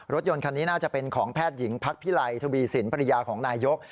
รถยนต์คันนี้น่าจะเป็นของแพทย์หญิงพักพิไลทวีสินภรรยาของนายยก